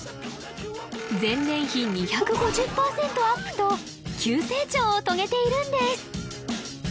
前年比２５０パーセントアップと急成長を遂げているんです